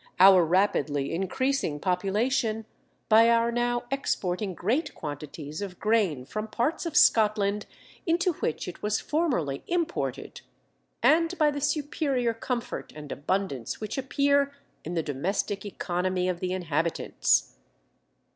our rapidly increasing population, by our now exporting great quantities of grain from parts of Scotland into which it was formerly imported, and by the superior comfort and abundance which appear in the domestic economy of the inhabitants."